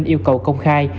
yêu cầu công khai